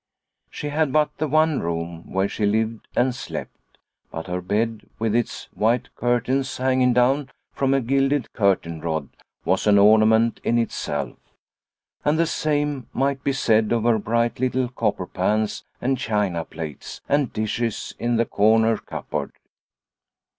She had but the one room, where she lived and slept ; but her bed, with its white curtains hanging down from a gilded curtain rod, was an ornament in itself, and the same might be said of her bright little copper pans and china plates and dishes in the corner cupboard.